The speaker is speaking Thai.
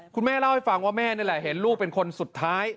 คุณแม่เล่าให้ฟังว่าแม่นี่แหละเห็นลูกเป็นคนสุดท้าย